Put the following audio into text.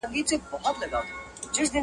مستي مو توبې کړې تقدیرونو ته به څه وایو؛